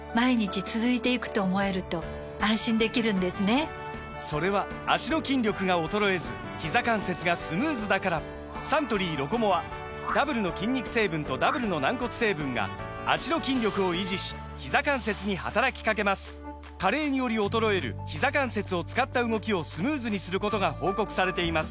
サントリー「ロコモア」・それは脚の筋力が衰えずひざ関節がスムーズだからサントリー「ロコモア」ダブルの筋肉成分とダブルの軟骨成分が脚の筋力を維持しひざ関節に働きかけます加齢により衰えるひざ関節を使った動きをスムーズにすることが報告されています